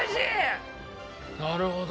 なるほど。